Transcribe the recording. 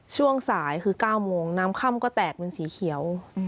ช่วงสายคือ๙โมงน้ำค่ำก็แตกเป็นสีเขียว